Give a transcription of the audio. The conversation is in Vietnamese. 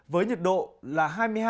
với nhiệt độ là hai mươi hai